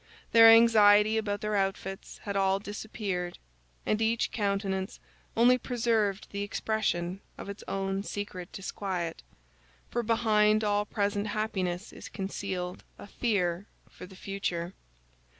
Their anxiety about their outfits had all disappeared, and each countenance only preserved the expression of its own secret disquiet—for behind all present happiness is concealed a fear for the future.